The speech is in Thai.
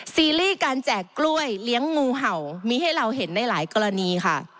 ซีรีส์การแจกกล้วยเลี้ยงงูเห่ามีให้เราเห็นในหลายกรณีค่ะ